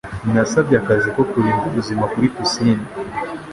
Nasabye akazi ko kurinda ubuzima kuri pisine.